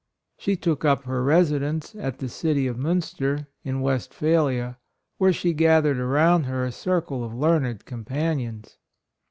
She took up her residence at the city of Munster, in Westpha PRINCESS AMELIA. 19 lia, where she gathered around her a circle of learned companions.